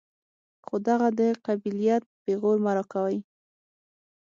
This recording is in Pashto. خو دغه د قبيلت پېغور مه راکوئ.